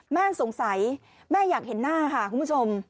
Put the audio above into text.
แม่สงสัยแม่อยากเห็นหน้าค่ะคุณผู้ชม